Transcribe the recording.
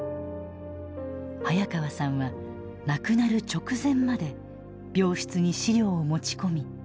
早川さんは亡くなる直前まで病室に資料を持ち込み準備を進めていました。